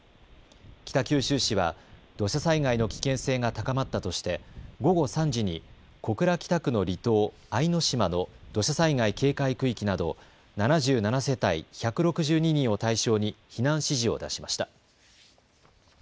北九州市は土砂災害の危険性が高まったとして午後３時に小倉北区の離島、藍島の土砂災害警戒区域など７７世帯１６２人を対象に避難指示を出しました。